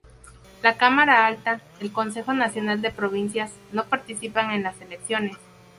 La cámara alta, el Consejo Nacional de Provincias, no participa en las elecciones.